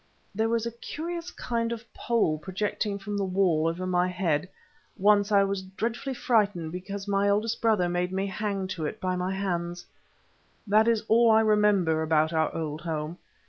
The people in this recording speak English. There was a curious kind of pole projecting from the wall over my bed. Once I was dreadfully frightened because my eldest brother made me hang to it by my hands. That is all I remember about our old home.